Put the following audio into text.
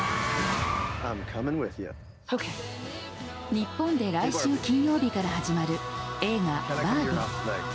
日本で来週金曜日から始まる映画「バービー」。